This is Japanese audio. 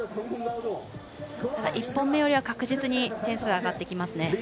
ただ、１本目より確実に点数が上がってきますね。